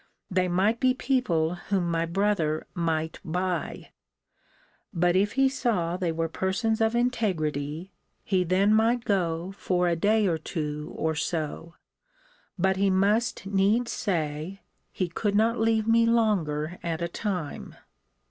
They might be people whom my brother might buy. But if he saw they were persons of integrity, he then might go for a day or two, or so. But he must needs say, he could not leave me longer at a time.